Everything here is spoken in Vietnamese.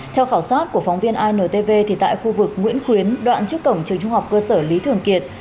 theo khảo sát của phóng viên intv thì tại khu vực nguyễn khuyến đoạn trước cổng trường trung học cơ sở lý thường kiệt